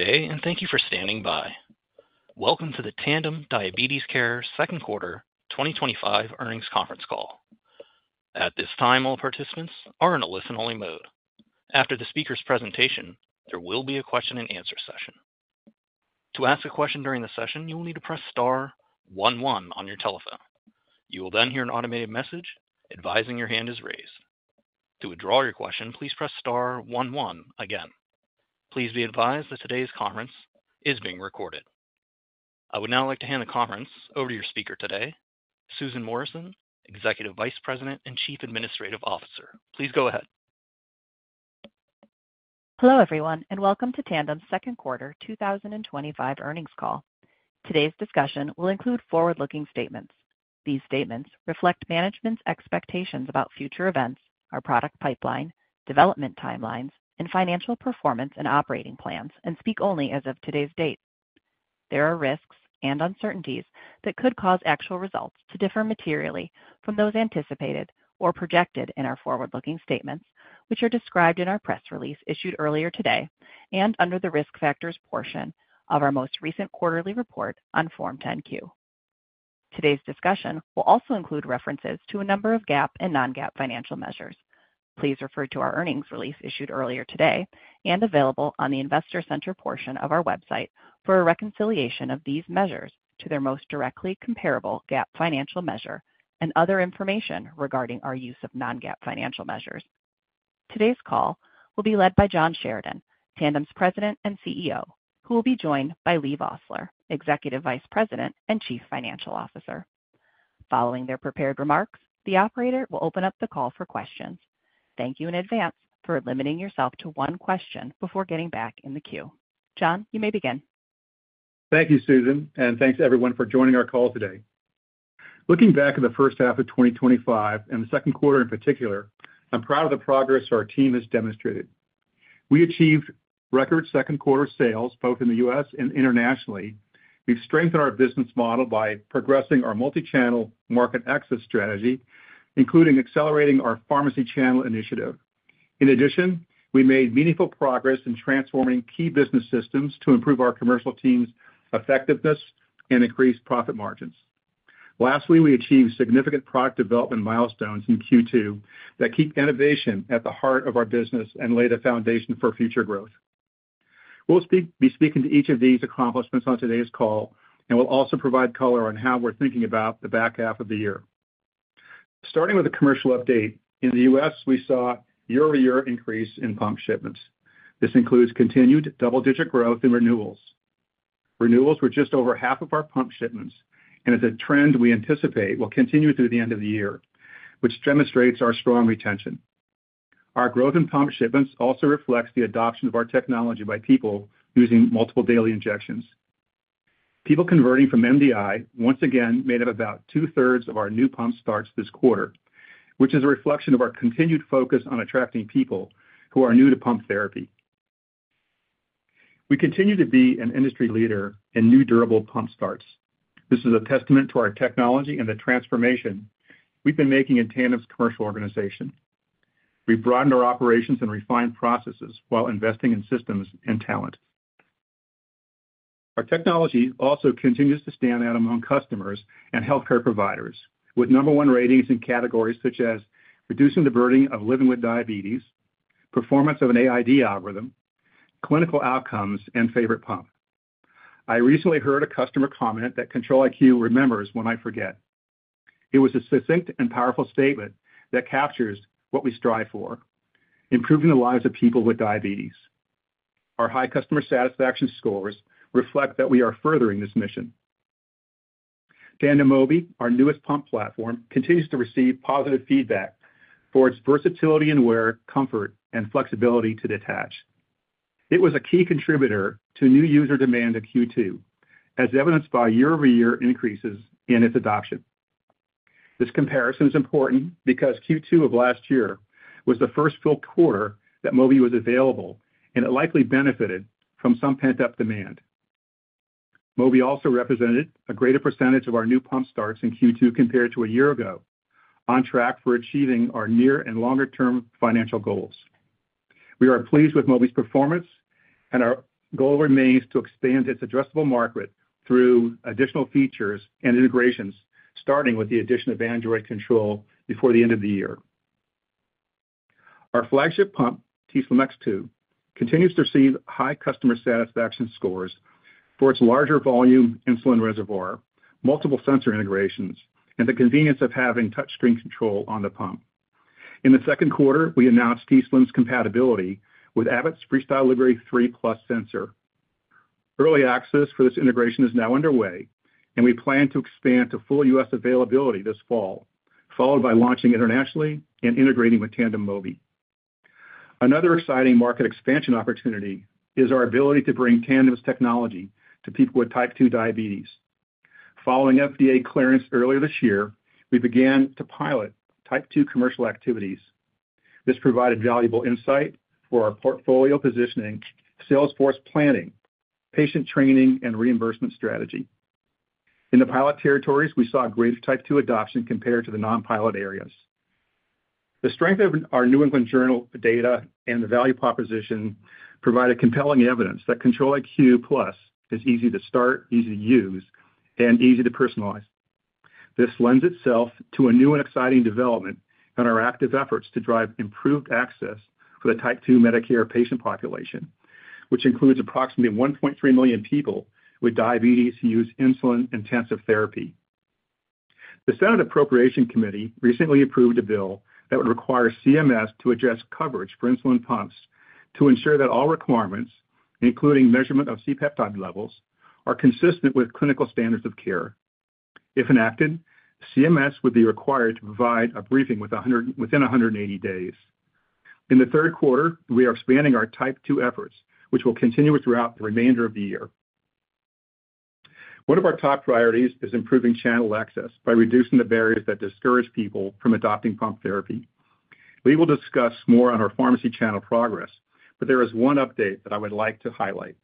Good day, and thank you for standing by. Welcome to the Tandem Diabetes Care Second Quarter 2025 earnings conference call. At this time, all participants are in a listen-only mode. After the speaker's presentation, there will be a question and answer session. To ask a question during the session, you will need to press star one one on your telephone. You will then hear an automated message advising your hand is raised. To withdraw your question, please press star one one again. Please be advised that today's conference is being recorded. I would now like to hand the conference over to your speaker today, Susan Morrison, Executive Vice President and Chief Administrative Officer. Please go ahead. Hello everyone, and welcome to Tandem's Second Quarter 2025 earnings call. Today's discussion will include forward-looking statements. These statements reflect management's expectations about future events, our product pipeline, development timelines, and financial performance and operating plans, and speak only as of today's date. There are risks and uncertainties that could cause actual results to differ materially from those anticipated or projected in our forward-looking statements, which are described in our press release issued earlier today and under the risk factors portion of our most recent quarterly report on Form 10-Q. Today's discussion will also include references to a number of GAAP and non-GAAP financial measures. Please refer to our earnings release issued earlier today and available on the Investor Center portion of our website for a reconciliation of these measures to their most directly comparable GAAP financial measure and other information regarding our use of non-GAAP financial measures. Today's call will be led by John Sheridan, Tandem's President and CEO, who will be joined by Leigh Vosseller, Executive Vice President and Chief Financial Officer. Following their prepared remarks, the operator will open up the call for questions. Thank you in advance for limiting yourself to one question before getting back in the queue. John, you may begin. Thank you, Susan, and thanks everyone for joining our call today. Looking back at the first half of 2025 and the second quarter in particular, I'm proud of the progress our team has demonstrated. We achieved record second quarter sales both in the U.S. and internationally. We've strengthened our business model by progressing our multi-channel market access strategy, including accelerating our pharmacy channel initiative. In addition, we made meaningful progress in transforming key business systems to improve our commercial team's effectiveness and increase profit margins. Lastly, we achieved significant product development milestones in Q2 that keep innovation at the heart of our business and lay the foundation for future growth. We'll be speaking to each of these accomplishments on today's call, and we'll also provide color on how we're thinking about the back half of the year. Starting with a commercial update, in the U.S., we saw a year-over-year increase in pump shipments. This includes continued double-digit growth in renewals. Renewals were just over half of our pump shipments, and it's a trend we anticipate will continue through the end of the year, which demonstrates our strong retention. Our growth in pump shipments also reflects the adoption of our technology by people using multiple daily injections. People converting from MDI once again made up about two-thirds of our new pump starts this quarter, which is a reflection of our continued focus on attracting people who are new to pump therapy. We continue to be an industry leader in new durable pump starts. This is a testament to our technology and the transformation we've been making in Tandem's commercial organization. We've broadened our operations and refined processes while investing in systems and talent. Our technology also continues to stand out among customers and healthcare providers, with number one ratings in categories such as reducing the burden of living with diabetes, performance of an AID algorithm, clinical outcomes, and favorite pump. I recently heard a customer comment that Control-IQ remembers when I forget. It was a succinct and powerful statement that captures what we strive for: improving the lives of people with diabetes. Our high customer satisfaction scores reflect that we are furthering this mission. Tandem Mobi, our newest pump platform, continues to receive positive feedback for its versatility in wear, comfort, and flexibility to detach. It was a key contributor to new user demand in Q2, as evidenced by year-over-year increases in its adoption. This comparison is important because Q2 of last year was the first full quarter that Mobi was available, and it likely benefited from some pent-up demand. Mobi also represented a greater percentage of our new pump starts in Q2 compared to a year ago, on track for achieving our near and longer-term financial goals. We are pleased with Mobi's performance, and our goal remains to expand its addressable market through additional features and integrations, starting with the addition of Android control before the end of the year. Our flagship pump, t:slim X2, continues to receive high customer satisfaction scores for its larger volume insulin reservoir, multiple sensor integrations, and the convenience of having touchscreen control on the pump. In the second quarter, we announced t:slim's compatibility with Abbott's FreeStyle Libre 3+ sensor. Early access for this integration is now underway, and we plan to expand to full U.S. availability this fall, followed by launching internationally and integrating with Tandem Mobi. Another exciting market expansion opportunity is our ability to bring Tandem's technology to people with Type 2 diabetes. Following FDA clearance earlier this year, we began to pilot Type 2 commercial activities. This provided valuable insight for our portfolio positioning, salesforce planning, patient training, and reimbursement strategy. In the pilot territories, we saw great Type 2 adoption compared to the non-pilot areas. The strength of our New England Journal data and the value proposition provided compelling evidence that Control-IQ+ is easy to start, easy to use, and easy to personalize. This lends itself to a new and exciting development in our active efforts to drive improved access for the Type 2 Medicare patient population, which includes approximately 1.3 million people with diabetes who use insulin-intensive therapy. The Senate Appropriations Committee recently approved a bill that would require the CMS to address coverage for insulin pumps to ensure that all requirements, including measurement of C-peptide levels, are consistent with clinical standards of care. If enacted, CMS would be required to provide a briefing within 180 days. In the third quarter, we are expanding our Type 2 efforts, which will continue throughout the remainder of the year. One of our top priorities is improving channel access by reducing the barriers that discourage people from adopting pump therapy. We will discuss more on our pharmacy channel progress, but there is one update that I would like to highlight.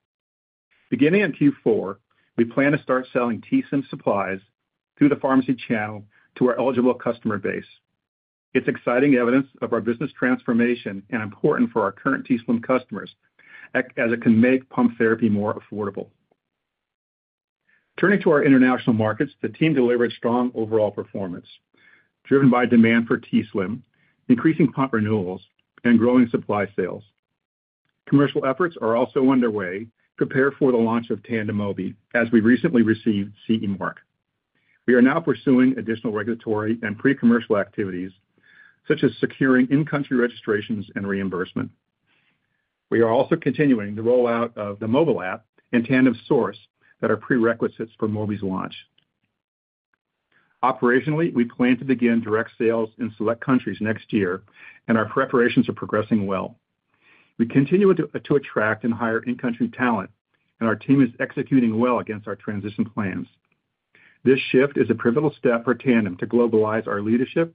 Beginning in Q4, we plan to start selling t:slim supplies through the pharmacy channel to our eligible customer base. It's exciting evidence of our business transformation and important for our current t:slim customers, as it can make pump therapy more affordable. Turning to our international markets, the team delivered strong overall performance, driven by demand for t:slim, increasing pump renewals, and growing supply sales. Commercial efforts are also underway to prepare for the launch of Tandem Mobi, as we recently received CE mark. We are now pursuing additional regulatory and pre-commercial activities, such as securing in-country registrations and reimbursement. We are also continuing the rollout of the mobile app and Tandem Source, that are prerequisites for Mobi's launch. Operationally, we plan to begin direct sales in select countries next year, and our preparations are progressing well. We continue to attract and hire in-country talent, and our team is executing well against our transition plans. This shift is a pivotal step for Tandem to globalize our leadership,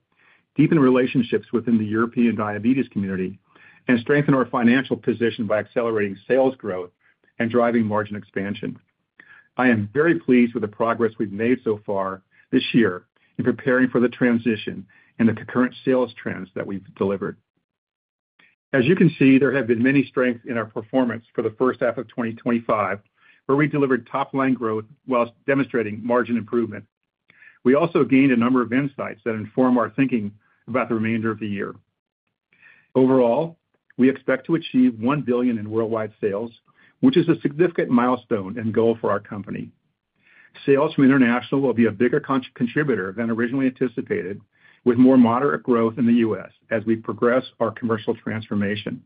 deepen relationships within the European diabetes community, and strengthen our financial position by accelerating sales growth and driving margin expansion. I am very pleased with the progress we've made so far this year in preparing for the transition and the current sales trends that we've delivered. As you can see, there have been many strengths in our performance for the first half of 2025, where we delivered top-line growth whilst demonstrating margin improvement. We also gained a number of insights that inform our thinking about the remainder of the year. Overall, we expect to achieve $1 billion in worldwide sales, which is a significant milestone and goal for our company. Sales from international will be a bigger contributor than originally anticipated, with more moderate growth in the U.S. as we progress our commercial transformation.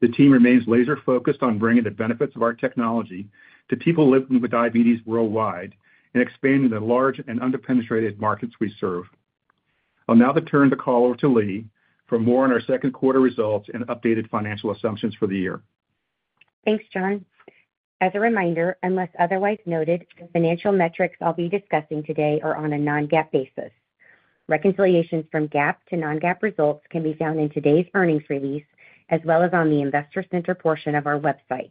The team remains laser-focused on bringing the benefits of our technology to people living with diabetes worldwide and expanding the large and underpenetrated markets we serve. I'll now turn the call over to Leigh for more on our second quarter results and updated financial assumptions for the year. Thanks, John. As a reminder, unless otherwise noted, the financial metrics I'll be discussing today are on a non-GAAP basis. Reconciliations from GAAP to non-GAAP results can be found in today's earnings release, as well as on the Investor Center portion of our website.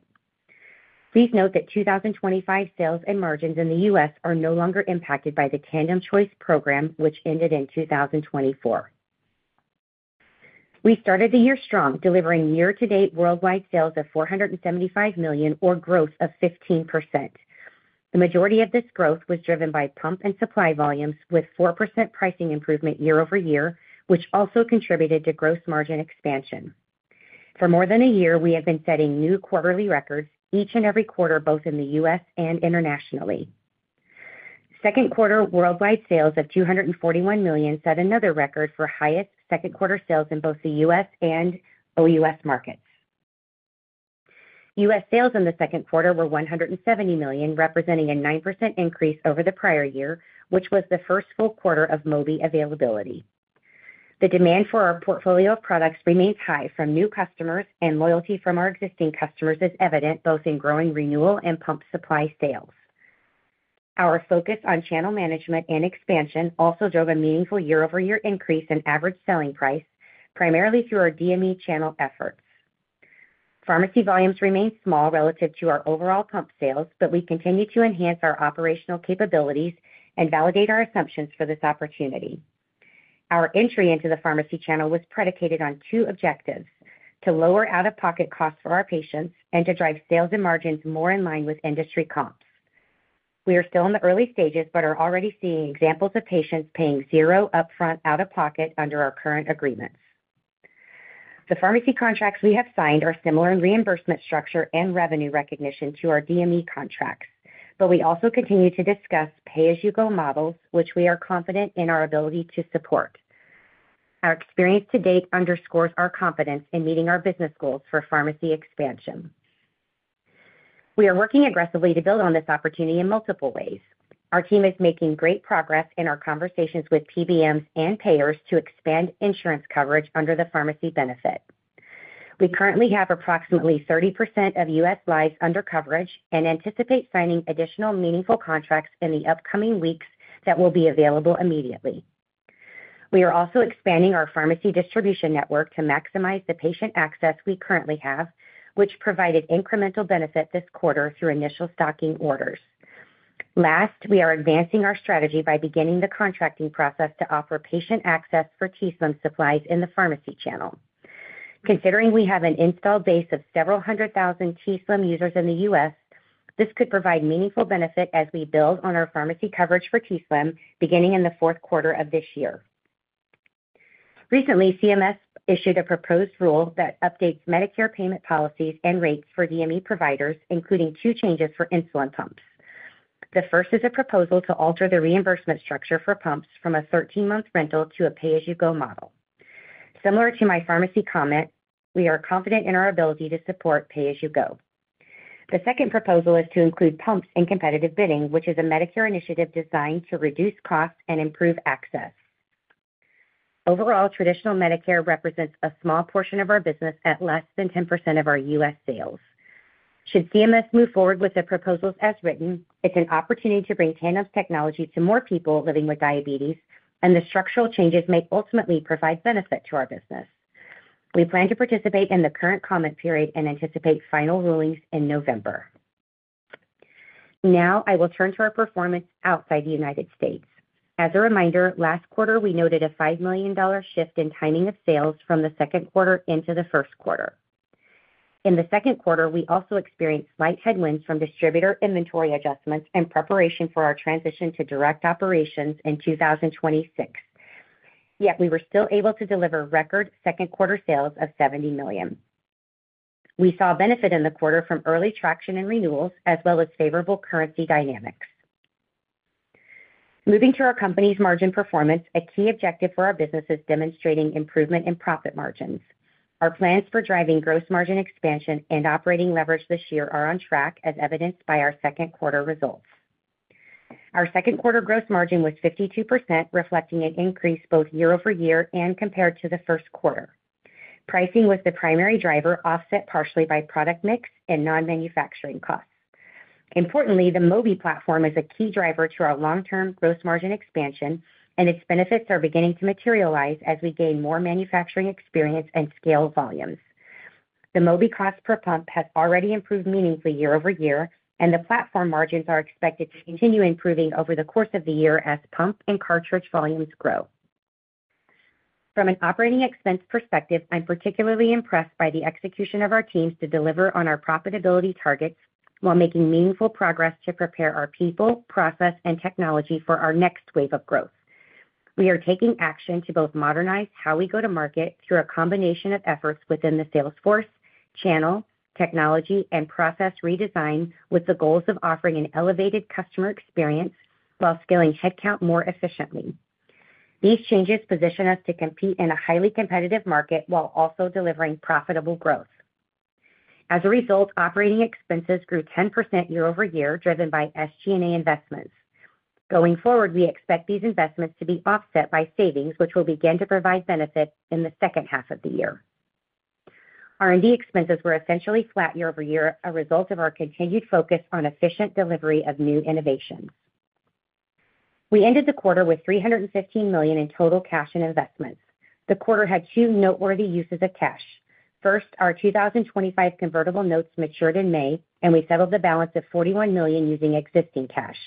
Please note that 2025 sales and margins in the U.S. are no longer impacted by the Tandem Choice Program, which ended in 2024. We started the year strong, delivering year-to-date worldwide sales of $475 million, or growth of 15%. The majority of this growth was driven by pump and supply volumes, with 4% pricing improvement year-over-year, which also contributed to gross margin expansion. For more than a year, we have been setting new quarterly records each and every quarter, both in the U.S. and internationally. Second quarter worldwide sales of $241 million set another record for highest second quarter sales in both the U.S. and OUS markets. U.S. sales in the second quarter were $170 million, representing a 9% increase over the prior year, which was the first full quarter of Mobi availability. The demand for our portfolio of products remains high from new customers, and loyalty from our existing customers is evident both in growing renewal and pump supply sales. Our focus on channel management and expansion also drove a meaningful year-over-year increase in average selling price, primarily through our DME channel efforts. Pharmacy volumes remain small relative to our overall pump sales, but we continue to enhance our operational capabilities and validate our assumptions for this opportunity. Our entry into the pharmacy channel was predicated on two objectives: to lower out-of-pocket costs for our patients and to drive sales and margins more in line with industry comps. We are still in the early stages, but are already seeing examples of patients paying zero upfront out-of-pocket under our current agreements. The pharmacy contracts we have signed are similar in reimbursement structure and revenue recognition to our DME contracts, but we also continue to discuss pay-as-you-go models, which we are confident in our ability to support. Our experience to date underscores our confidence in meeting our business goals for pharmacy expansion. We are working aggressively to build on this opportunity in multiple ways. Our team is making great progress in our conversations with PBMs and payers to expand insurance coverage under the pharmacy benefit. We currently have approximately 30% of U.S. lives under coverage and anticipate signing additional meaningful contracts in the upcoming weeks that will be available immediately. We are also expanding our pharmacy distribution network to maximize the patient access we currently have, which provided incremental benefit this quarter through initial stocking orders. Last, we are advancing our strategy by beginning the contracting process to offer patient access for t:slim supplies in the pharmacy channel. Considering we have an installed base of several hundred thousand t:slim users in the U.S., this could provide meaningful benefit as we build on our pharmacy coverage for t:slim beginning in the fourth quarter of this year. Recently, the CMS issued a proposed rule that updates Medicare payment policies and rates for DME providers, including two changes for insulin pumps. The first is a proposal to alter the reimbursement structure for pumps from a 13-month rental to a pay-as-you-go model. Similar to my pharmacy comment, we are confident in our ability to support pay-as-you-go. The second proposal is to include pumps in competitive bidding, which is a Medicare initiative designed to reduce costs and improve access. Overall, traditional Medicare represents a small portion of our business at less than 10% of our U.S. sales. Should CMS move forward with the proposals as written, it's an opportunity to bring Tandem's technology to more people living with diabetes, and the structural changes may ultimately provide benefit to our business. We plan to participate in the current comment period and anticipate final rulings in November. Now, I will turn to our performance outside the United States. As a reminder, last quarter we noted a $5 million shift in timing of sales from the second quarter into the first quarter. In the second quarter, we also experienced light headwinds from distributor inventory adjustments and preparation for our transition to direct operations in 2026. Yet, we were still able to deliver record second quarter sales of $70 million. We saw benefit in the quarter from early traction in renewals, as well as favorable currency dynamics. Moving to our company's margin performance, a key objective for our business is demonstrating improvement in profit margins. Our plans for driving gross margin expansion and operating leverage this year are on track, as evidenced by our second quarter results. Our second quarter gross margin was 52%, reflecting an increase both year-over-year and compared to the first quarter. Pricing was the primary driver, offset partially by product mix and non-manufacturing costs. Importantly, the Mobi platform is a key driver to our long-term gross margin expansion, and its benefits are beginning to materialize as we gain more manufacturing experience and scale volumes. The Mobi cost per pump has already improved meaningfully year over year, and the platform margins are expected to continue improving over the course of the year as pump and cartridge volumes grow. From an operating expense perspective, I'm particularly impressed by the execution of our teams to deliver on our profitability targets while making meaningful progress to prepare our people, process, and technology for our next wave of growth. We are taking action to both modernize how we go to market through a combination of efforts within the salesforce, channel, technology, and process redesign, with the goals of offering an elevated customer experience while scaling headcount more efficiently. These changes position us to compete in a highly competitive market while also delivering profitable growth. As a result, operating expenses grew 10% year-over-year, driven by SG&A investments. Going forward, we expect these investments to be offset by savings, which will begin to provide benefits in the second half of the year. R&D expenses were essentially flat year-over-year, a result of our continued focus on efficient delivery of new innovation. We ended the quarter with $315 million in total cash and investments. The quarter had two noteworthy uses of cash. First, our 2025 convertible notes matured in May, and we settled the balance of $41 million using existing cash.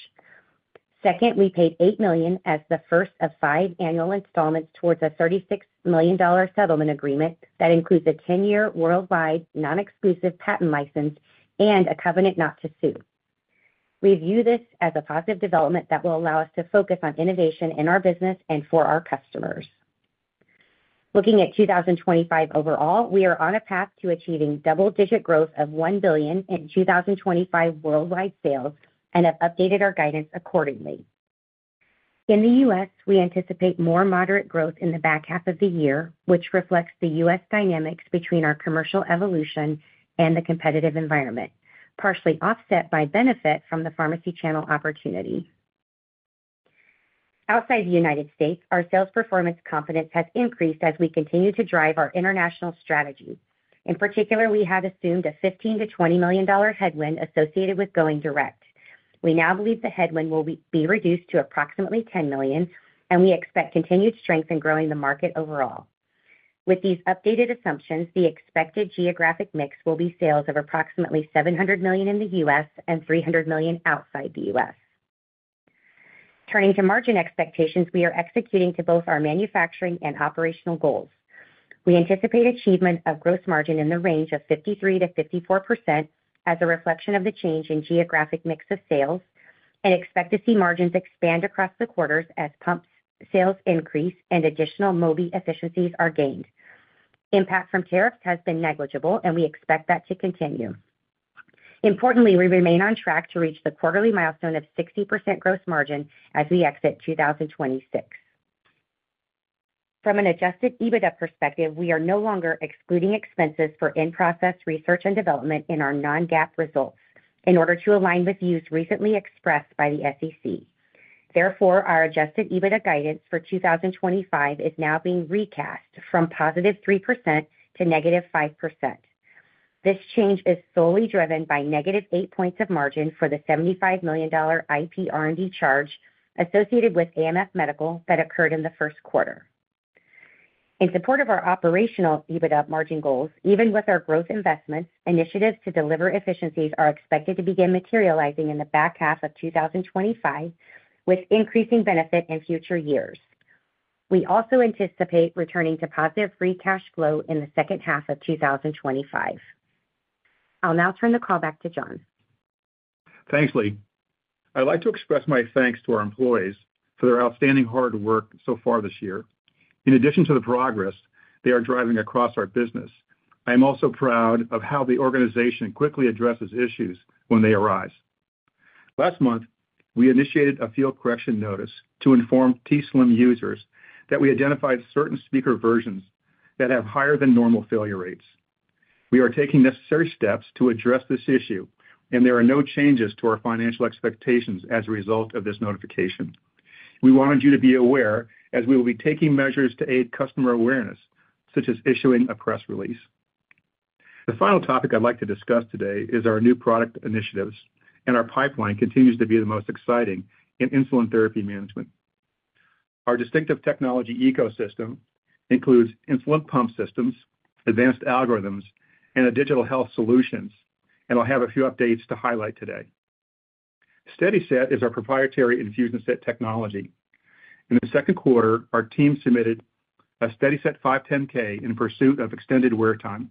Second, we paid $8 million as the first of five annual installments towards a $36 million settlement agreement that includes a 10-year worldwide non-exclusive patent license and a covenant not to sue. We view this as a positive development that will allow us to focus on innovation in our business and for our customers. Looking at 2025 overall, we are on a path to achieving double-digit growth of $1 billion in 2025 worldwide sales and have updated our guidance accordingly. In the U.S., we anticipate more moderate growth in the back half of the year, which reflects the U.S. dynamics between our commercial evolution and the competitive environment, partially offset by benefit from the pharmacy channel opportunity. Outside the United States, our sales performance confidence has increased as we continue to drive our international strategy. In particular, we have assumed a $15 million-$20 million headwind associated with going direct. We now believe the headwind will be reduced to approximately $10 million, and we expect continued strength in growing the market overall. With these updated assumptions, the expected geographic mix will be sales of approximately $700 million in the U.S. and $300 million outside the U.S. Turning to margin expectations, we are executing to both our manufacturing and operational goals. We anticipate achievement of gross margin in the range of 53%-54% as a reflection of the change in geographic mix of sales and expect to see margins expand across the quarters as pump sales increase and additional Mobi efficiencies are gained. Impact from tariffs has been negligible, and we expect that to continue. Importantly, we remain on track to reach the quarterly milestone of 60% gross margin as we exit 2026. From an adjusted EBITDA perspective, we are no longer excluding expenses for in-process research and development in our non-GAAP results in order to align with views recently expressed by the SEC. Therefore, our adjusted EBITDA guidance for 2025 is now being recast from +3% to -5%. This change is solely driven by -8 points of margin for the $75 million IP R&D charge associated with AMF Medical that occurred in the first quarter. In support of our operational EBITDA margin goals, even with our growth investments, initiatives to deliver efficiencies are expected to begin materializing in the back half of 2025 with increasing benefit in future years. We also anticipate returning to positive free cash flow in the second half of 2025. I'll now turn the call back to John. Thanks, Leigh. I'd like to express my thanks to our employees for their outstanding hard work so far this year. In addition to the progress they are driving across our business, I am also proud of how the organization quickly addresses issues when they arise. Last month, we initiated a field correction notice to inform t:slim X2 users that we identified certain speaker versions that have higher than normal failure rates. We are taking necessary steps to address this issue, and there are no changes to our financial expectations as a result of this notification. We wanted you to be aware as we will be taking measures to aid customer awareness, such as issuing a press release. The final topic I'd like to discuss today is our new product initiatives, and our pipeline continues to be the most exciting in insulin therapy management. Our distinctive technology ecosystem includes insulin pump systems, advanced algorithms, and digital health solutions, and I'll have a few updates to highlight today. SteadiSet is our proprietary infusion set technology. In the second quarter, our team submitted a SteadiSet 510(k) in pursuit of extended wear time.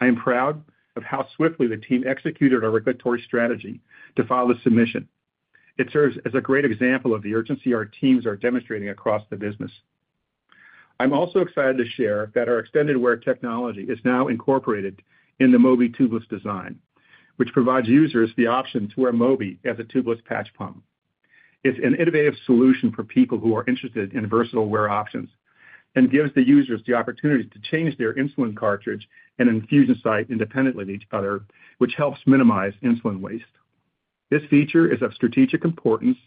I am proud of how swiftly the team executed our regulatory strategy to file the submission. It serves as a great example of the urgency our teams are demonstrating across the business. I'm also excited to share that our extended wear technology is now incorporated in the Mobi tubeless design, which provides users the option to wear Mobi as a tubeless patch pump. It's an innovative solution for people who are interested in versatile wear options and gives the users the opportunity to change their insulin cartridge and infusion site independently of each other, which helps minimize insulin waste. This feature is of strategic importance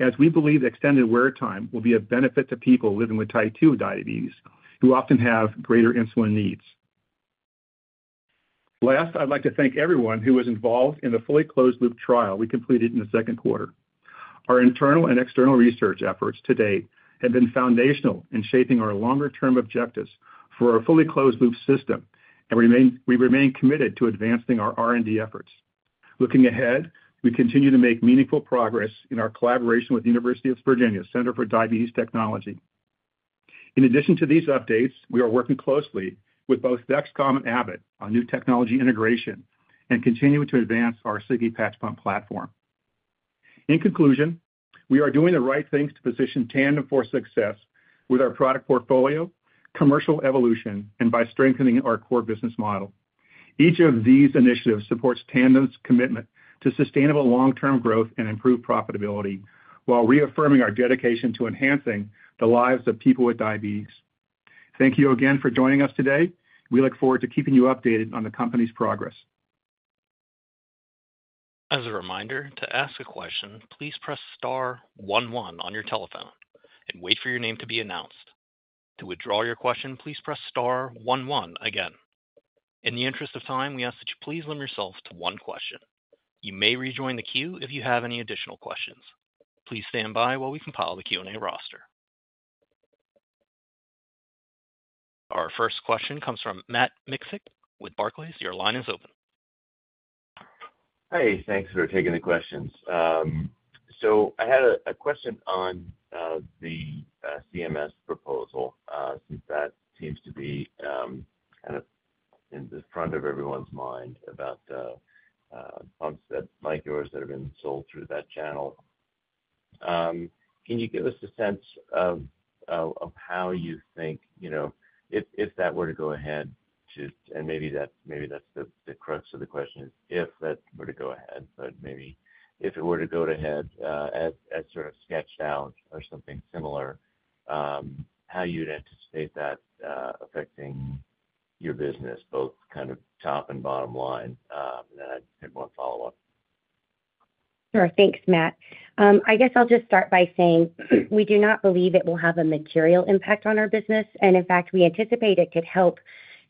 as we believe the extended wear time will be of benefit to people living with Type 2 diabetes who often have greater insulin needs. Last, I'd like to thank everyone who was involved in the fully closed loop trial we completed in the second quarter. Our internal and external research efforts to date have been foundational in shaping our longer-term objectives for our fully closed-loop system, and we remain committed to advancing our R&D efforts. Looking ahead, we continue to make meaningful progress in our collaboration with the University of Virginia Center for Diabetes Technology. In addition to these updates, we are working closely with both Dexcom and Abbott on new technology integration and continue to advance our Sigi patch pump platform. In conclusion, we are doing the right things to position Tandem for success with our product portfolio, commercial evolution, and by strengthening our core business model. Each of these initiatives supports Tandem's commitment to sustainable long-term growth and improved profitability while reaffirming our dedication to enhancing the lives of people with diabetes. Thank you again for joining us today. We look forward to keeping you updated on the company's progress. As a reminder, to ask a question, please press star one one on your telephone and wait for your name to be announced. To withdraw your question, please press star one one again. In the interest of time, we ask that you please limit yourself to one question. You may rejoin the queue if you have any additional questions. Please stand by while we compile the Q&A roster. Our first question comes from Matt Miksic with Barclays. Your line is open. Hey, thanks for taking the questions. I had a question on the CMS proposal since that seems to be kind of in the front of everyone's mind about pumps like yours that have been sold through that channel. Can you give us a sense of how you think, you know, if that were to go ahead, and maybe that's the crux of the question, is if that were to go ahead, but maybe if it were to go ahead as sort of sketched out or something similar, how you'd anticipate that affecting your business, both kind of top and bottom line. I had one follow-up. Sure, thanks, Matt. I guess I'll just start by saying we do not believe it will have a material impact on our business, and in fact, we anticipate it could help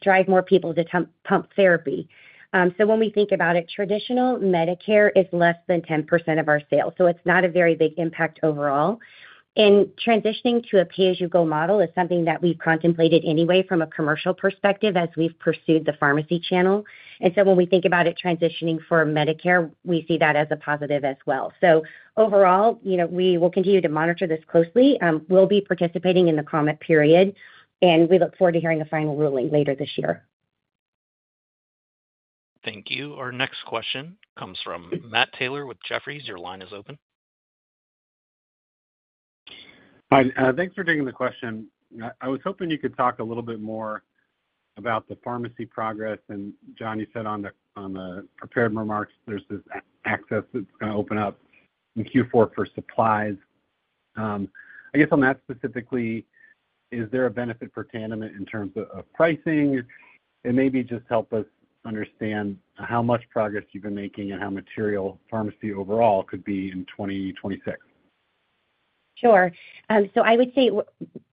drive more people to pump therapy. When we think about it, traditional Medicare is less than 10% of our sales, so it's not a very big impact overall. In transitioning to a pay-as-you-go model, it's something that we've contemplated anyway from a commercial perspective as we've pursued the pharmacy channel. When we think about it transitioning for Medicare, we see that as a positive as well. Overall, you know, we will continue to monitor this closely. We'll be participating in the comment period, and we look forward to hearing a final ruling later this year. Thank you. Our next question comes from Matt Taylor with Jefferies. Your line is open. Hi, thanks for taking the question. I was hoping you could talk a little bit more about the pharmacy progress, and John, you said on the prepared remarks, there's this access that's going to open up in Q4 for supplies. I guess on that specifically, is there a benefit for Tandem in terms of pricing? Maybe just help us understand how much progress you've been making and how material pharmacy overall could be in 2026. Sure. I would say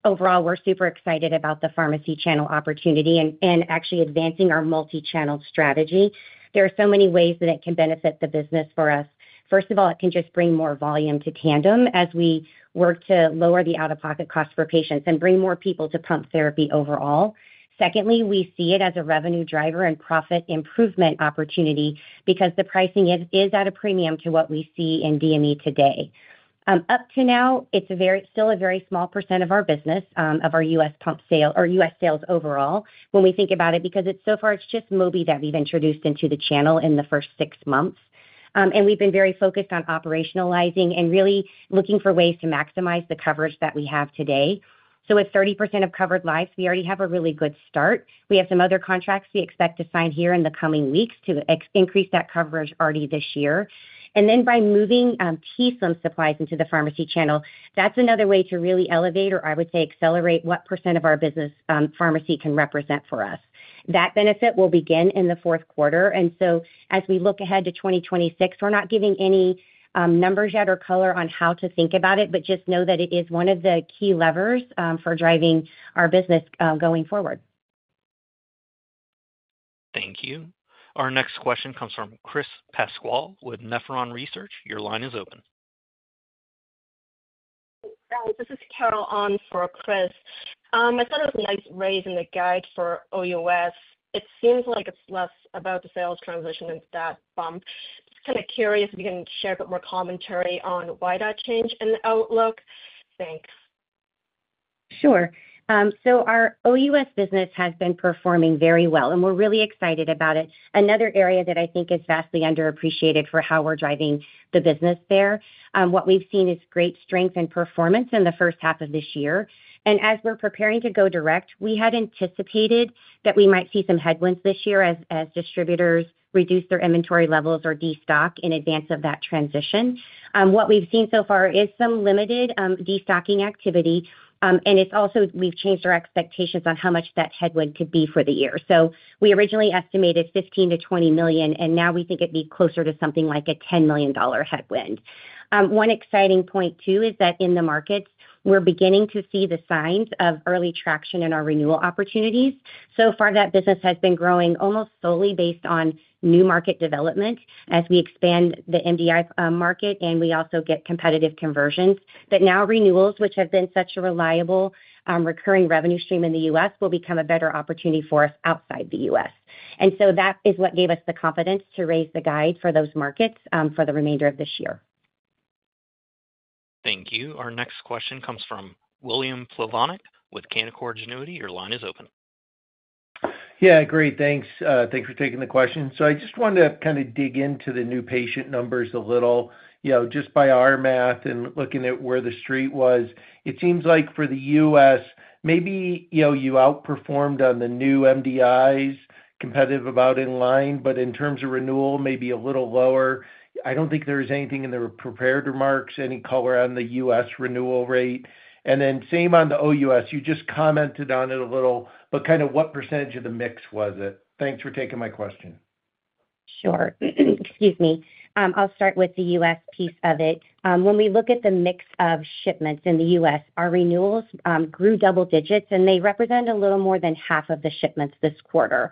overall, we're super excited about the pharmacy channel opportunity and actually advancing our multi-channel strategy. There are so many ways that it can benefit the business for us. First of all, it can just bring more volume to Tandem Diabetes Care as we work to lower the out-of-pocket costs for patients and bring more people to pump therapy overall. Secondly, we see it as a revenue driver and profit improvement opportunity because the pricing is at a premium to what we see in DME today. Up to now, it's still a very small percent of our business, of our U.S. pump sales or U.S. sales overall when we think about it because so far it's just Mobi that we've introduced into the channel in the first 6 months. We've been very focused on operationalizing and really looking for ways to maximize the coverage that we have today. With 30% of covered lives, we already have a really good start. We have some other contracts we expect to sign here in the coming weeks to increase that coverage already this year. By moving t:slim supplies into the pharmacy channel, that's another way to really elevate or I would say accelerate what percent of our business pharmacy can represent for us. That benefit will begin in the fourth quarter. As we look ahead to 2026, we're not giving any numbers yet or color on how to think about it, but just know that it is one of the key levers for driving our business going forward. Thank you. Our next question comes from Chris Pasquale with Nephron Research. Your line is open. Hi, this is Carol on for Chris. I thought it was nice raising the guide for OUS. It seems like it's less about the sales transition and that bump. I'm kind of curious if you can share a bit more commentary on why that changed in the outlook. Thanks. Sure. Our OUS business has been performing very well, and we're really excited about it. Another area that I think is vastly underappreciated for how we're driving the business there. What we've seen is great strength and performance in the first half of this year. As we're preparing to go direct, we had anticipated that we might see some headwinds this year as distributors reduce their inventory levels or destock in advance of that transition. What we've seen so far is some limited destocking activity, and we've changed our expectations on how much that headwind could be for the year. We originally estimated $15 million-$20 million, and now we think it'd be closer to something like a $10 million headwind. One exciting point too is that in the markets, we're beginning to see the signs of early traction in our renewal opportunities. So far, that business has been growing almost solely based on new market development as we expand the MDI market and we also get competitive conversions. Now renewals, which have been such a reliable recurring revenue stream in the U.S., will become a better opportunity for us outside the U.S. That is what gave us the confidence to raise the guide for those markets for the remainder of this year. Thank you. Our next question comes from William Plovanic with Canaccord Genuity. Your line is open. Great, thanks. Thanks for taking the question. I just wanted to kind of dig into the new patient numbers a little. You know, just by our math and looking at where the street was, it seems like for the U.S., maybe you outperformed on the new MDIs, competitive about in line, but in terms of renewal, maybe a little lower. I don't think there was anything in the prepared remarks, any color on the U.S. renewal rate. Same on the OUS, you just commented on it a little, but kind of what percentage of the mix was it? Thanks for taking my question. Sure, excuse me. I'll start with the U.S. piece of it. When we look at the mix of shipments in the U.S., our renewals grew double digits, and they represent a little more than half of the shipments this quarter.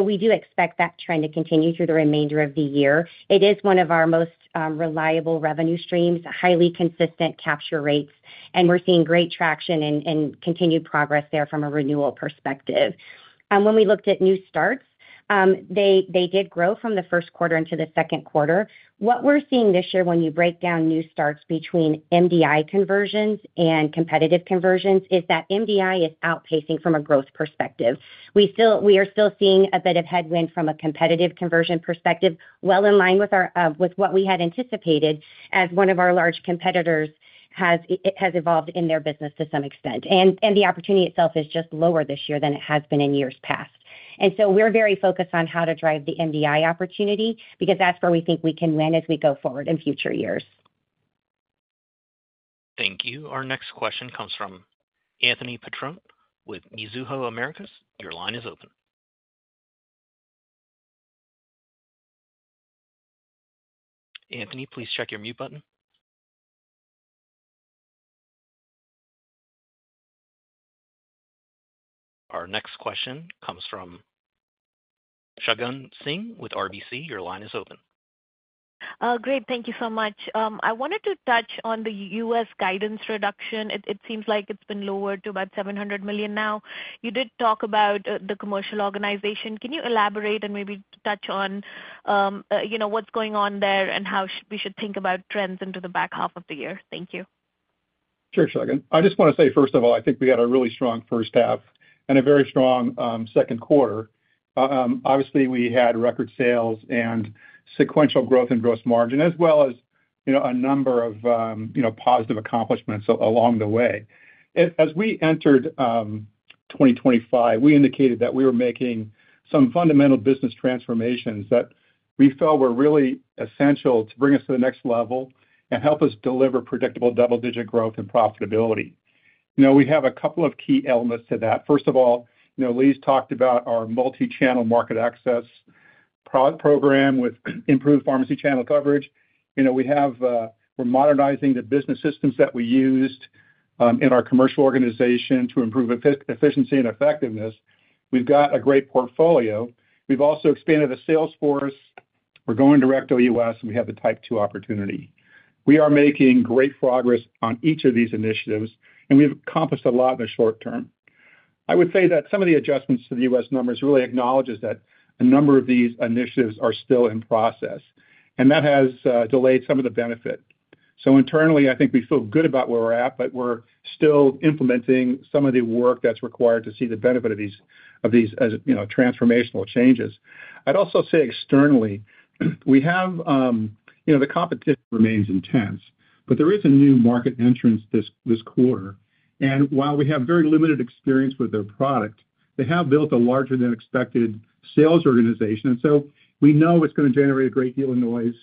We do expect that trend to continue through the remainder of the year. It is one of our most reliable revenue streams, highly consistent capture rates, and we're seeing great traction and continued progress there from a renewal perspective. When we looked at new starts, they did grow from the first quarter into the second quarter. What we're seeing this year when you break down new starts between MDI conversions and competitive conversions is that MDI is outpacing from a growth perspective. We are still seeing a bit of headwind from a competitive conversion perspective, in line with what we had anticipated as one of our large competitors has evolved in their business to some extent. The opportunity itself is just lower this year than it has been in years past. We are very focused on how to drive the MDI opportunity because that's where we think we can win as we go forward in future years. Thank you. Our next question comes from Anthony Petrone with Mizuho Americas. Your line is open. Anthony, please check your mute button. Our next question comes from Shagun Singh with RBC. Your line is open. Great, thank you so much. I wanted to touch on the U.S. guidance reduction. It seems like it's been lowered to about $700 million now. You did talk about the commercial organization. Can you elaborate and maybe touch on what's going on there and how we should think about trends into the back half of the year? Thank you. Sure, Shagun. I just want to say, first of all, I think we had a really strong first half and a very strong second quarter. Obviously, we had record sales and sequential growth in gross margin, as well as a number of positive accomplishments along the way. As we entered 2025, we indicated that we were making some fundamental business transformations that we felt were really essential to bring us to the next level and help us deliver predictable double-digit growth and profitability. We have a couple of key elements to that. First of all, Leigh's talked about our multi-channel market access program with improved pharmacy channel coverage. We are modernizing the business systems that we use in our commercial organization to improve efficiency and effectiveness. We've got a great portfolio. We've also expanded the sales force. We're going direct OUS, and we have the Type 2 opportunity. We are making great progress on each of these initiatives, and we've accomplished a lot in the short term. I would say that some of the adjustments to the U.S. numbers really acknowledge that a number of these initiatives are still in process, and that has delayed some of the benefit. Internally, I think we feel good about where we're at, but we're still implementing some of the work that's required to see the benefit of these transformational changes. I'd also say externally, the competition remains intense, but there is a new market entrant this quarter. While we have very limited experience with their product, they have built a larger than expected sales organization. We know it's going to generate a great deal of noise,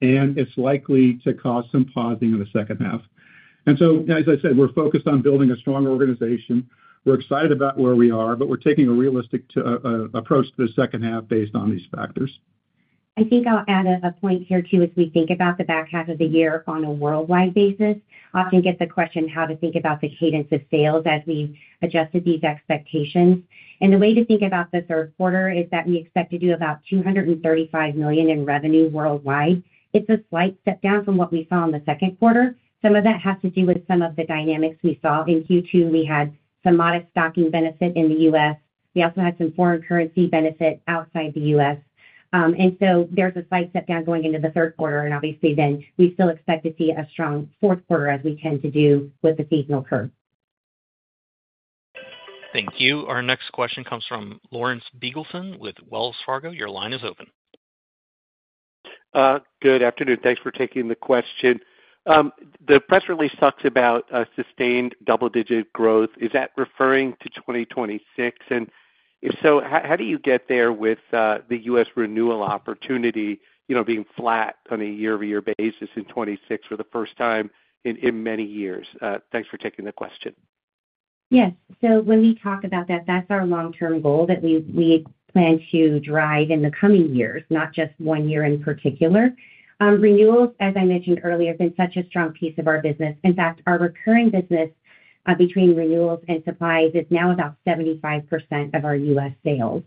and it's likely to cause some pausing in the second half. As I said, we're focused on building a strong organization. We're excited about where we are, but we're taking a realistic approach to the second half based on these factors. I think I'll add a point here too. As we think about the back half of the year on a worldwide basis, we often get the question how to think about the cadence of sales as we've adjusted these expectations. The way to think about the third quarter is that we expect to do about $235 million in revenue worldwide. It's a slight step down from what we saw in the second quarter. Some of that has to do with some of the dynamics we saw in Q2. We had some modest stocking benefit in the U.S. We also had some foreign currency benefit outside the U.S., so there's a slight step down going into the third quarter. Obviously, we still expect to see a strong fourth quarter as we tend to do with the seasonal curve. Thank you. Our next question comes from Lawrence Biegelsen with Wells Fargo. Your line is open. Good afternoon. Thanks for taking the question. The press release talks about sustained double-digit growth. Is that referring to 2026? If so, how do you get there with the U.S. renewal opportunity, you know, being flat on a year-over-year basis in 2026 for the first time in many years? Thanks for taking the question. Yes. When we talk about that, that's our long-term goal that we plan to drive in the coming years, not just one year in particular. Renewals, as I mentioned earlier, have been such a strong piece of our business. In fact, our recurring business between renewals and supplies is now about 75% of our U.S. sales.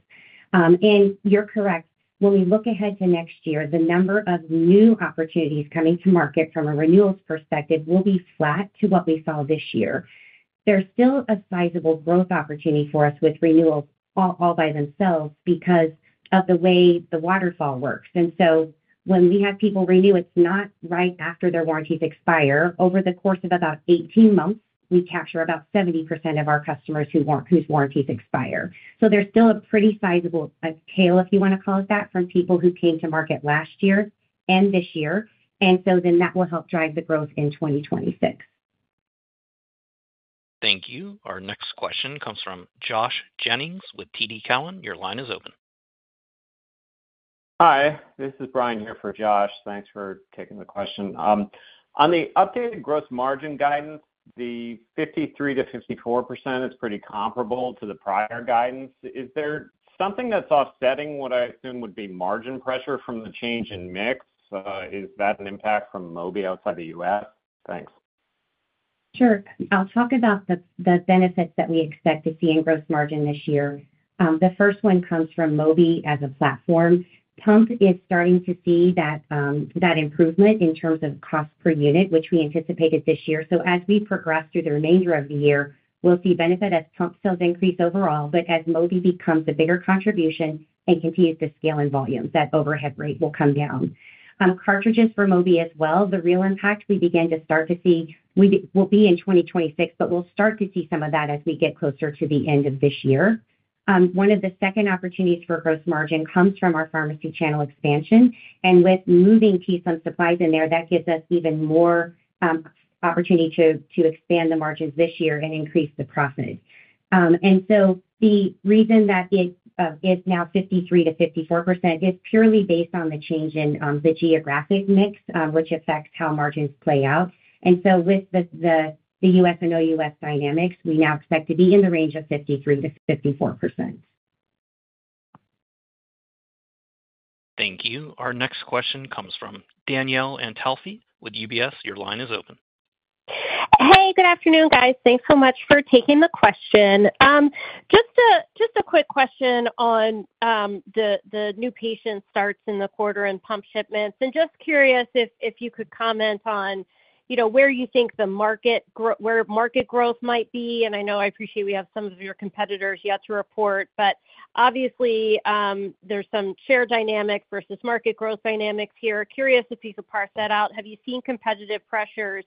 You're correct. When we look ahead to next year, the number of new opportunities coming to market from a renewals perspective will be flat to what we saw this year. There's still a sizable growth opportunity for us with renewals all by themselves because of the way the waterfall works. When we have people renew, it's not right after their warranties expire. Over the course of about 18 months, we capture about 70% of our customers whose warranties expire. There's still a pretty sizable tail, if you want to call it that, from people who came to market last year and this year. That will help drive the growth in 2026. Thank you. Our next question comes from Josh Jennings with TD Cowen. Your line is open. Hi, this is Brian here for Josh. Thanks for taking the question. On the updated gross margin guidance, the 53%-54% is pretty comparable to the prior guidance. Is there something that's offsetting what I assume would be margin pressure from the change in mix? Is that an impact from Mobi outside the U.S.? Thanks. Sure. I'll talk about the benefits that we expect to see in gross margin this year. The first one comes from Mobi as a platform. Pump is starting to see that improvement in terms of cost per unit, which we anticipated this year. As we progress through the remainder of the year, we'll see benefit as pump sales increase overall, but as Mobi becomes a bigger contribution and continues to scale in volume, that overhead rate will come down. Cartridges for Mobi as well, the real impact we begin to start to see will be in 2026, but we'll start to see some of that as we get closer to the end of this year. One of the second opportunities for gross margin comes from our pharmacy channel expansion. With moving t:slim supplies in there, that gives us even more opportunity to expand the margins this year and increase the profit. The reason that it's now 53%-54% is purely based on the change in the geographic mix, which affects how margins play out. With the U.S. and OUS dynamics, we now expect to be in the range of 53%-54%. Thank you. Our next question comes from Danielle Antalffy with UBS. Your line is open. Hey, good afternoon, guys. Thanks so much for taking the question. Just a quick question on the new patient starts in the quarter and pump shipments. I'm just curious if you could comment on, you know, where you think the market growth might be. I know I appreciate we have some of your competitors yet to report, but obviously, there's some share dynamics versus market growth dynamics here. Curious if you could parse that out. Have you seen competitive pressures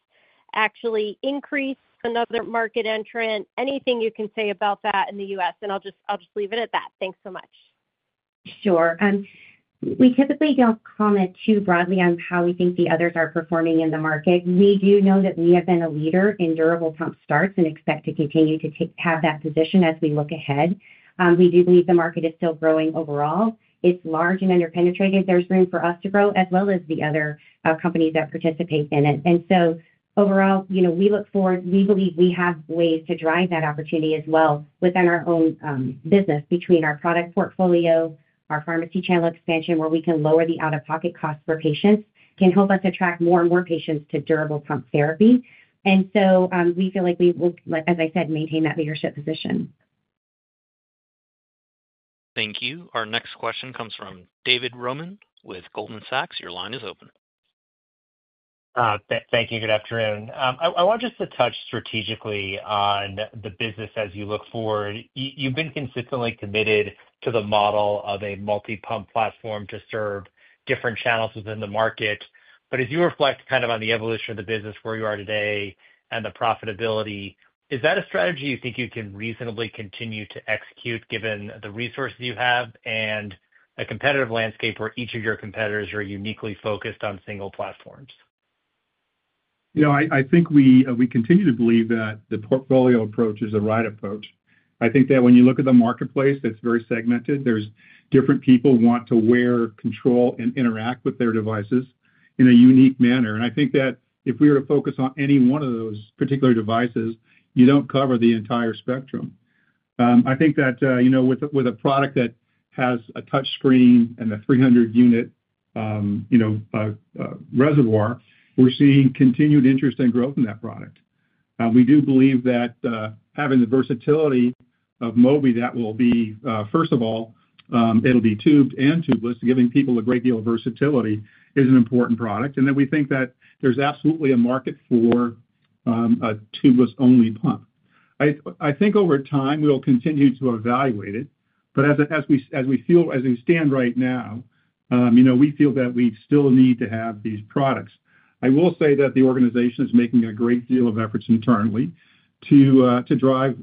actually increase? Another market entrant? Anything you can say about that in the U.S.? I'll just leave it at that. Thanks so much. Sure. We typically don't comment too broadly on how we think the others are performing in the market. We do know that we have been a leader in durable pump starts and expect to continue to have that position as we look ahead. We do believe the market is still growing overall. It's large and underpenetrated. There's room for us to grow as well as the other companies that participate in it. Overall, you know, we look forward. We believe we have ways to drive that opportunity as well within our own business between our product portfolio, our pharmacy channel expansion, where we can lower the out-of-pocket costs for patients, can help us attract more and more patients to durable pump therapy. We feel like we will, as I said, maintain that leadership position. Thank you. Our next question comes from David Roman with Goldman Sachs. Your line is open. Thank you. Good afternoon. I want to touch strategically on the business as you look forward. You've been consistently committed to the model of a multi-pump platform to serve different channels within the market. As you reflect on the evolution of the business, where you are today, and the profitability, is that a strategy you think you can reasonably continue to execute given the resources you have and a competitive landscape where each of your competitors are uniquely focused on single platforms? I think we continue to believe that the portfolio approach is the right approach. I think that when you look at the marketplace, it's very segmented. There are different people who want to wear, control, and interact with their devices in a unique manner. I think that if we were to focus on any one of those particular devices, you don't cover the entire spectrum. I think that with a product that has a touchscreen and a 300-unit reservoir, we're seeing continued interest and growth in that product. We do believe that having the versatility of Mobi that will be, first of all, it'll be tubed and tubeless, giving people a great deal of versatility, is an important product. We think that there's absolutely a market for a tubeless-only pump. I think over time, we'll continue to evaluate it. As we stand right now, we feel that we still need to have these products. I will say that the organization is making a great deal of efforts internally to drive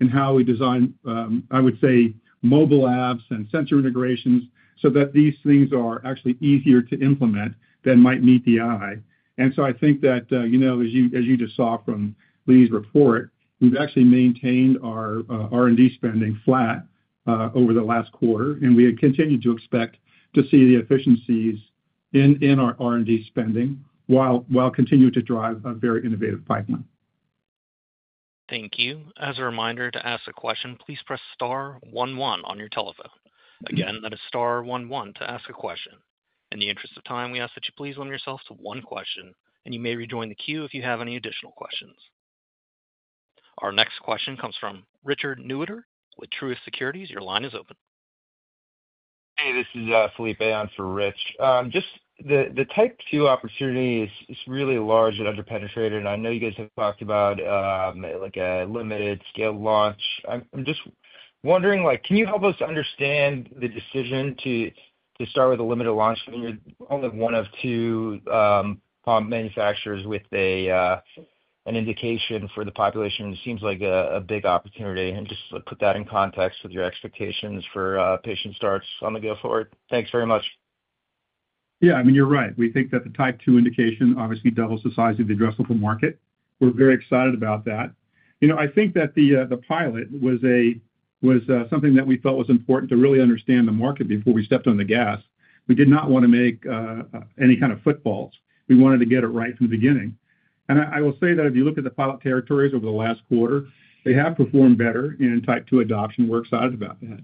efficiencies in how we design, I would say, mobile apps and sensor integrations so that these things are actually easier to implement than might meet the eye. I think that as you just saw from Leigh's report, we've actually maintained our R&D spending flat over the last quarter, and we continue to expect to see the efficiencies in our R&D spending while continuing to drive a very innovative pipeline. Thank you. As a reminder, to ask a question, please press star one one on your telephone. Again, that is star one one to ask a question. In the interest of time, we ask that you please limit yourself to one question, and you may rejoin the queue if you have any additional questions. Our next question comes from Richard Newitter with Truist Securities. Your line is open. Hey, this is Felipe on for Rich. Just the Type 2 opportunity is really large and underpenetrated, and I know you guys have talked about a limited-scale launch. I'm just wondering, can you help us understand the decision to start with a limited launch? I mean, you're only one of two pump manufacturers with an indication for the population. It seems like a big opportunity. Just put that in context with your expectations for patient starts on the go forward. Thanks very much. Yeah, I mean, you're right. We think that the Type 2 indication obviously doubles the size of the addressable market. We're very excited about that. I think that the pilot was something that we felt was important to really understand the market before we stepped on the gas. We did not want to make any kind of footballs. We wanted to get it right from the beginning. I will say that if you look at the pilot territories over the last quarter, they have performed better in Type 2 adoption. We're excited about that.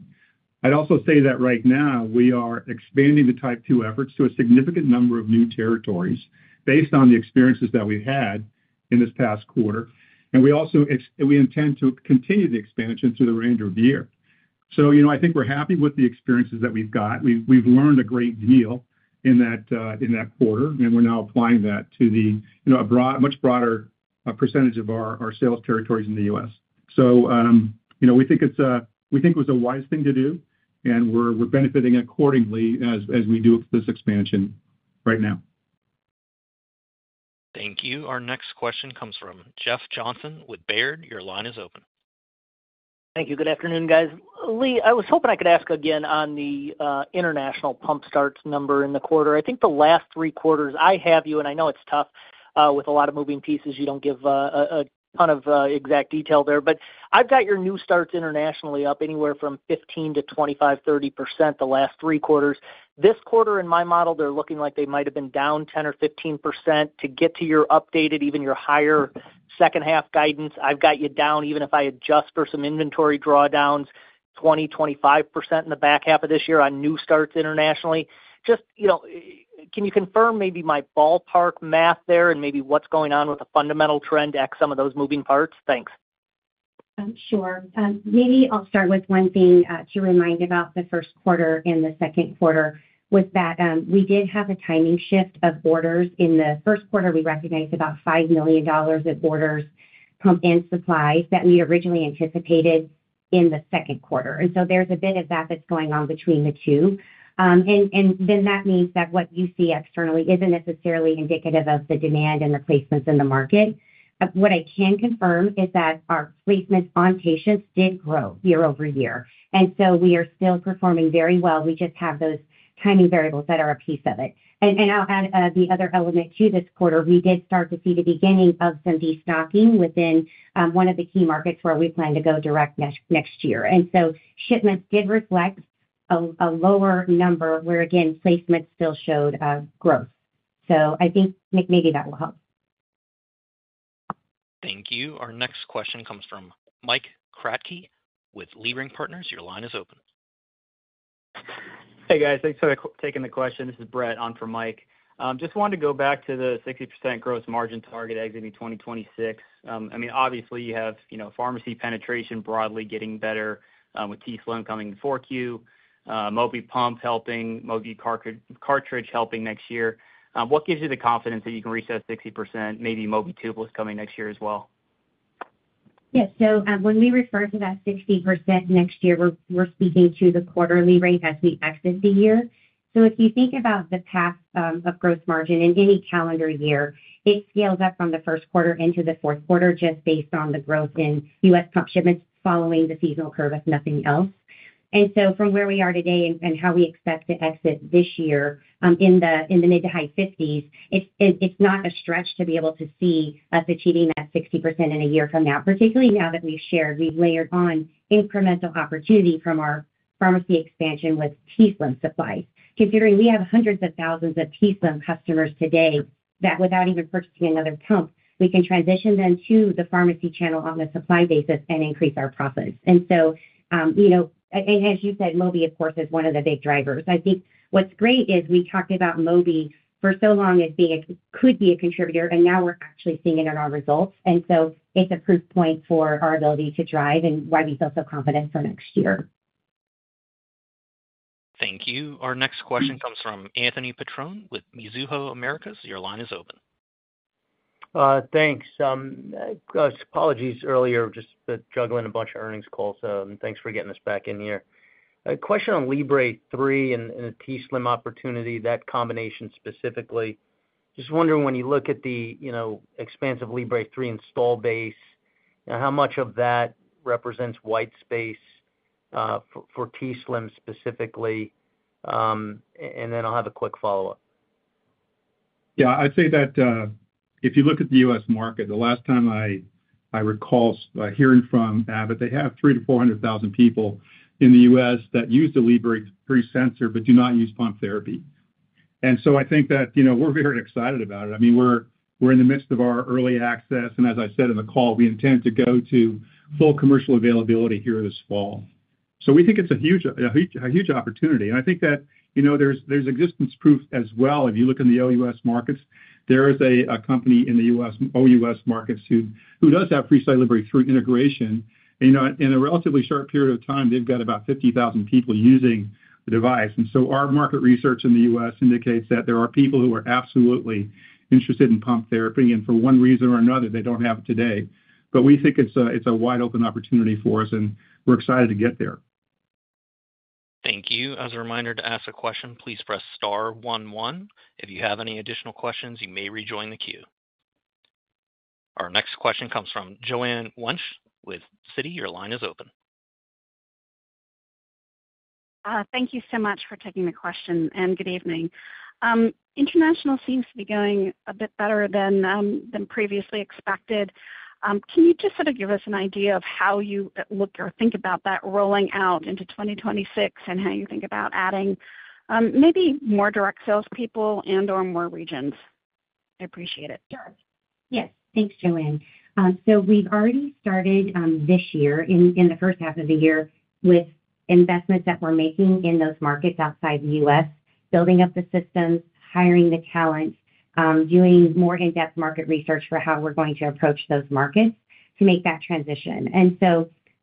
I'd also say that right now we are expanding the Type 2 efforts to a significant number of new territories based on the experiences that we've had in this past quarter. We also intend to continue the expansion through the remainder of the year. I think we're happy with the experiences that we've got. We've learned a great deal in that quarter, and we're now applying that to a much broader percentage of our sales territories in the U.S. We think it was a wise thing to do, and we're benefiting accordingly as we do this expansion right now. Thank you. Our next question comes from Jeff Johnson with Baird. Your line is open. Thank you. Good afternoon, guys. Leigh, I was hoping I could ask again on the international pump starts number in the quarter. I think the last three quarters, I have you, and I know it's tough with a lot of moving pieces. You don't give a ton of exact detail there, but I've got your new starts internationally up anywhere from 15%-25%, 30% the last three quarters. This quarter, in my model, they're looking like they might have been down 10% or 15% to get to your updated, even your higher second half guidance. I've got you down, even if I adjust for some inventory drawdowns, 20%, 25% in the back half of this year on new starts internationally. Just, you know, can you confirm maybe my ballpark math there and maybe what's going on with the fundamental trend at some of those moving parts? Thanks. Sure. Maybe I'll start with one thing to remind about the first quarter and the second quarter. We did have a timing shift of orders. In the first quarter, we recognized about $5 million of orders pumped in supplies that we originally anticipated in the second quarter. There is a bit of that that's going on between the two. That means that what you see externally isn't necessarily indicative of the demand and the placements in the market. What I can confirm is that our placements on patients did grow year-over-year. We are still performing very well. We just have those timing variables that are a piece of it. I'll add the other element to this quarter. We did start to see the beginning of some destocking within one of the key markets where we plan to go direct next year. Shipments did reflect a lower number where, again, placements still showed growth. I think maybe that will help. Thank you. Our next question comes from Mike Kratky with Leerink Partners. Your line is open. Hey guys, thanks for taking the question. This is Brett on for Mike. Just wanted to go back to the 60% gross margin target exiting 2026. I mean, obviously you have, you know, pharmacy penetration broadly getting better with t:slim coming in 4Q, Mobi pump helping, Mobi cartridge helping next year. What gives you the confidence that you can reach that 60%, maybe Mobi tubeless coming next year as well? Yes, so when we refer to that 60% next year, we're speaking to the quarterly rate as we exit the year. If you think about the path of gross margin in any calendar year, it scales up from the first quarter into the fourth quarter just based on the growth in U.S. pump shipments following the seasonal curve if nothing else. From where we are today and how we expect to exit this year in the mid to high 50s, it's not a stretch to be able to see us achieving that 60% in a year from now, particularly now that we've shared, we've layered on incremental opportunity from our pharmacy expansion with t:slim supplies. Considering we have hundreds of thousands of t:slim customers today that without even purchasing another pump, we can transition them to the pharmacy channel on a supply basis and increase our profits. As you said, Mobi, of course, is one of the big drivers. I think what's great is we talked about Mobi for so long as being a contributor, and now we're actually seeing it in our results. It's a proof point for our ability to drive and why we feel so confident for next year. Thank you. Our next question comes from Anthony Petrone with Mizuho Americas. Your line is open. Thanks. Apologies earlier, just juggling a bunch of earnings calls. Thanks for getting us back in here. A question on FreeStyle Libre 3 and a t:slim X2 opportunity, that combination specifically. Just wondering when you look at the, you know, expansive FreeStyle Libre 3 install base, how much of that represents white space for t:slim X2 specifically? I have a quick follow-up. Yeah, I'd say that if you look at the U.S. market, the last time I recall hearing from Abbott, they'd have 300,000-400,000 people in the U.S. that use the FreeStyle Libre 3 sensor but do not use pump therapy. I think that, you know, we're very excited about it. We're in the midst of our early access, and as I've said in the call, we intend to go to full commercial availability here this fall. We think it's a huge opportunity. I think that, you know, there's existence proof as well. If you look in the OUS markets, there is a company in the OUS markets who does have preset Libre 3 integration. In a relatively short period of time, they've got about 50,000 people using the device. Our market research in the U.S. indicates that there are people who are absolutely interested in pump therapy, and for one reason or another, they don't have it today. We think it's a wide open opportunity for us, and we're excited to get there. Thank you. As a reminder, to ask a question, please press star one one. If you have any additional questions, you may rejoin the queue. Our next question comes from Joanne Wuensch with Citi. Your line is open. Thank you so much for taking the question, and good evening. International seems to be going a bit better than previously expected. Can you just sort of give us an idea of how you look or think about that rolling out into 2026 and how you think about adding maybe more direct sales people and/or more regions? I appreciate it. Sure. Yes, thanks, Joanne. We've already started this year, in the first half of the year, with investments that we're making in those markets outside the U.S., building up the systems, hiring the talent, doing more in-depth market research for how we're going to approach those markets to make that transition.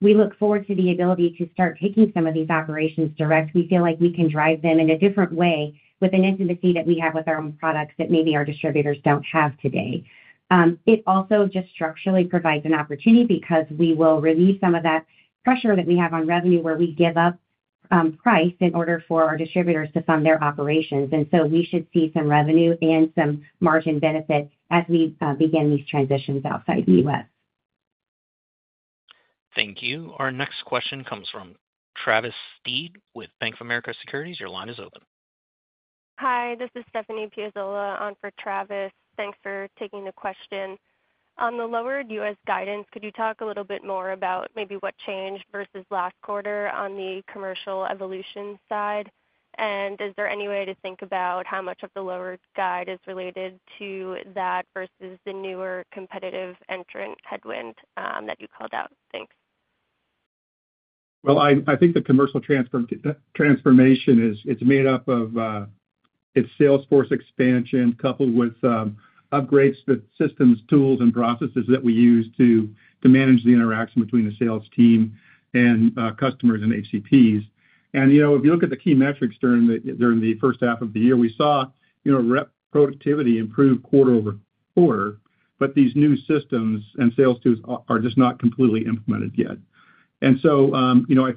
We look forward to the ability to start taking some of these operations direct. We feel like we can drive them in a different way with an intimacy that we have with our own products that maybe our distributors don't have today. It also just structurally provides an opportunity because we will relieve some of that pressure that we have on revenue where we give up price in order for our distributors to fund their operations. We should see some revenue and some margin benefit as we begin these transitions outside the U.S. Thank you. Our next question comes from Travis Steed with Bank of America Securities. Your line is open. Hi, this is Stephanie Piazzola on for Travis. Thanks for taking the question. On the lowered U.S. guidance, could you talk a little bit more about maybe what changed versus last quarter on the commercial evolution side? Is there any way to think about how much of the lowered guide is related to that versus the newer competitive entrant headwind that you called out? Thanks. I think the commercial transformation is made up of its sales force expansion coupled with upgrades to the systems, tools, and processes that we use to manage the interaction between the sales team and customers and HCPs. If you look at the key metrics during the first half of the year, we saw productivity improved quarter over quarter, but these new systems and sales tools are just not completely implemented yet. I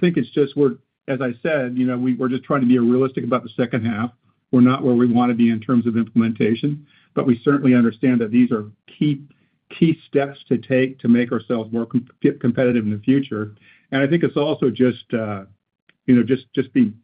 think it's just where, as I said, we're just trying to be realistic about the second half. We're not where we want to be in terms of implementation, but we certainly understand that these are key steps to take to make ourselves more competitive in the future. I think it's also just being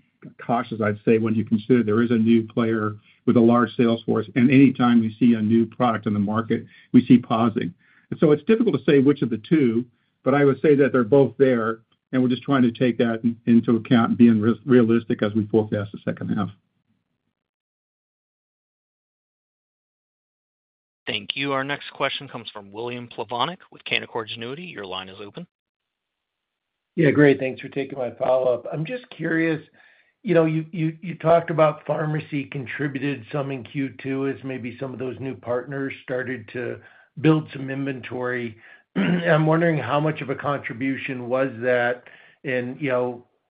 cautious, I'd say, when you consider there is a new player with a large sales force, and anytime we see a new product in the market, we see pausing. It's difficult to say which of the two, but I would say that they're both there, and we're just trying to take that into account and being realistic as we forecast the second half. Thank you. Our next question comes from William Plovanic with Canaccord Genuity. Your line is open. Yeah, great. Thanks for taking my follow-up. I'm just curious, you talked about pharmacy contributed some in Q2 as maybe some of those new partners started to build some inventory. I'm wondering how much of a contribution was that,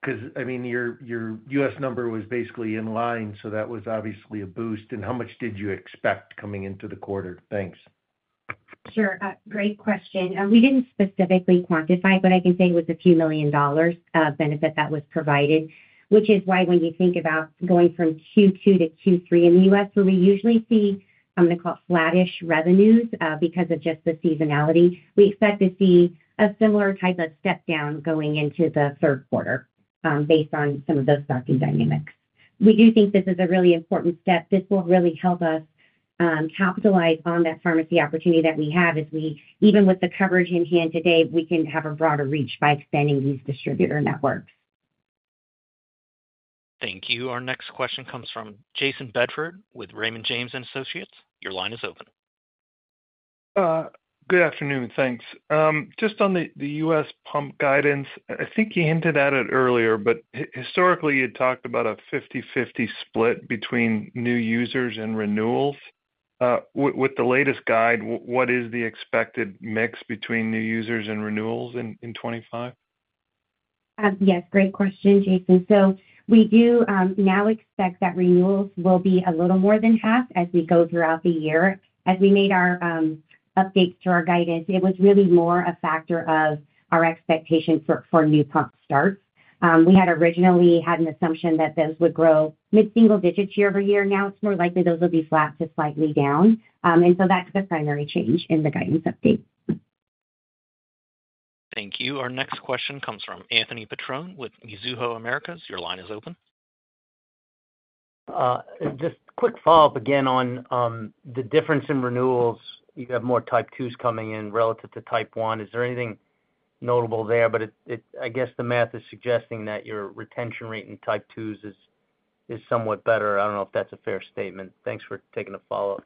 because your U.S. number was basically in line, so that was obviously a boost. How much did you expect coming into the quarter? Thanks. Sure, great question. We didn't specifically quantify, but I can say it was a few million dollars of benefit that was provided, which is why when you think about going from Q2 to Q3 in the U.S., where we usually see, I'm going to call it flattish revenues because of just the seasonality, we expect to see a similar type of step down going into the third quarter based on some of those stocking dynamics. We do think this is a really important step. This will really help us capitalize on that pharmacy opportunity that we have as we, even with the coverage in hand today, we can have a broader reach by expanding these distributor networks. Thank you. Our next question comes from Jason Bedford with Raymond James and Associates. Your line is open. Good afternoon, thanks. Just on the US pump guidance, I think you hinted at it earlier, but historically you had talked about a 50/50 split between new users and renewals. With the latest guide, what is the expected mix between new users and renewals in 2025? Yes, great question, Jason. We do now expect that renewals will be a little more than half as we go throughout the year. As we made our updates to our guidance, it was really more a factor of our expectations for new pump starts. We had originally had an assumption that those would grow mid-single digits year over year. Now it's more likely those will be flat to slightly down. That's the primary change in the guidance update. Thank you. Our next question comes from Anthony Petrone with Mizuho Americas. Your line is open. Just a quick follow-up again on the difference in renewals. You have more Type 2s coming in relative to Type 1. Is there anything notable there? I guess the math is suggesting that your retention rate in Type 2s is somewhat better. I don't know if that's a fair statement. Thanks for taking the follow-up.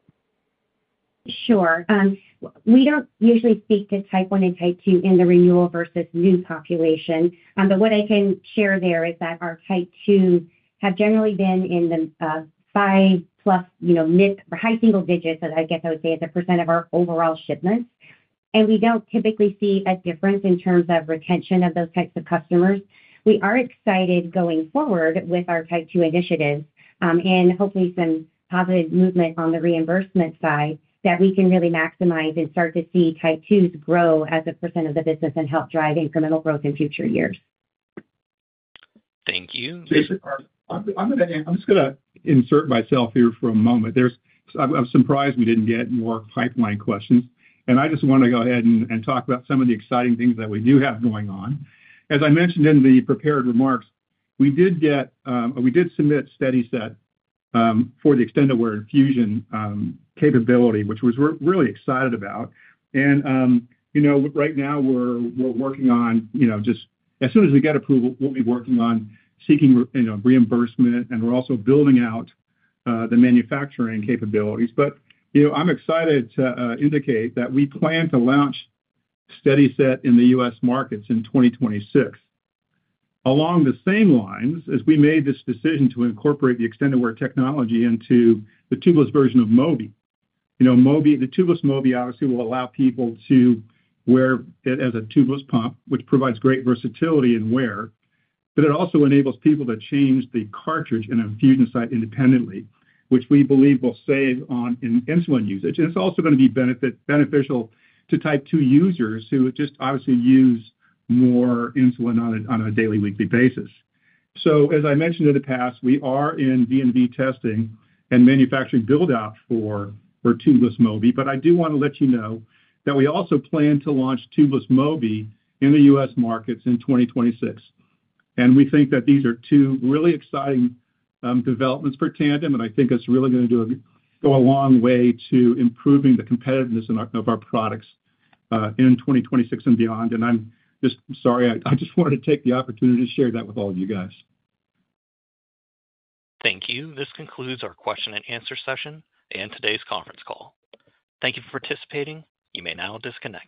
Sure. We don't usually speak to Type 1 and Type 2 in the renewal versus new population. What I can share there is that our Type 2s have generally been in the 5+%, you know mix, high single digits, as I guess I would say, as a percent of our overall shipments. We don't typically see a difference in terms of retention of those types of customers. We are excited going forward with our Type 2 initiatives and hopefully some positive movement on the reimbursement side that we can really maximize and start to see Type 2s grow as a percent of the business and help drive incremental growth in future years. Thank you. I'm just going to insert myself here for a moment. I'm surprised we didn't get more pipeline questions. I just want to go ahead and talk about some of the exciting things that we do have going on. As I mentioned in the prepared remarks, we did submit a SteadiSet for the extent of our infusion capability, which we're really excited about. Right now we're working on, just as soon as we get approval, we'll be working on seeking reimbursement. We're also building out the manufacturing capabilities. I'm excited to indicate that we plan to launch SteadiSet in the U.S. markets in 2026. Along the same lines, we made this decision to incorporate the extended wear technology into the tubeless version of Mobi. The tubeless Mobi obviously will allow people to wear it as a tubeless pump, which provides great versatility and wear. It also enables people to change the cartridge and infusion site independently, which we believe will save on insulin usage. It's also going to be beneficial to Type 2 users who obviously use more insulin on a daily and weekly basis. As I mentioned in the past, we are in V&V testing and manufacturing build-out for tubeless Mobi. I do want to let you know that we also plan to launch tubeless Mobi in the U.S. markets in 2026. We think that these are two really exciting developments for Tandem. I think it's really going to go a long way to improving the competitiveness of our products in 2026 and beyond. I'm just sorry. I just wanted to take the opportunity to share that with all of you guys. Thank you. This concludes our question and answer session and today's conference call. Thank you for participating. You may now disconnect.